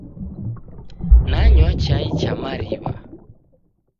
Nanywa chai cha mariw'a.